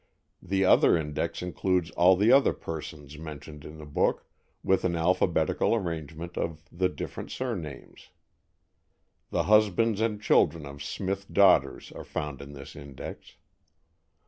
The other index includes all the other persons mentioned in the book, with an alphabetical arrangement of the different surnames. The husbands and children of Smith daughters are found in this index.